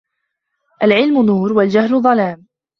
العلم نور والجهل ظلام